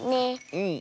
うん。